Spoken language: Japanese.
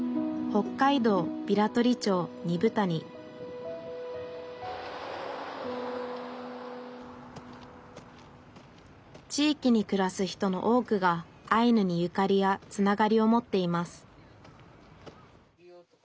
北海道平取町二風谷地域にくらす人の多くがアイヌにゆかりやつながりを持っています